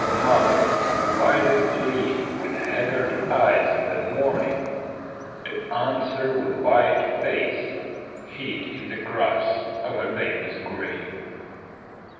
Mother, why do you flee with haggard eyes in the morning To answer with white face hid in the grass of a baby's grave